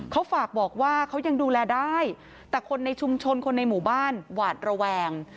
เขาฝากบอกว่าเขายังดูแลได้แต่คนในชุมชนคนในหมู่บ้านหวาดระแวง